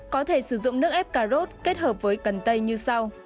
có thể sử dụng nước ép cà rốt kết hợp với cần tây như sau